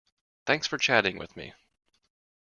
Thanks for chatting with me.